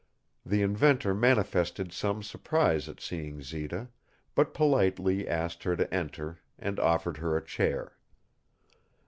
The inventor manifested some surprise at seeing Zita, but politely asked her to enter, and offered her a chair.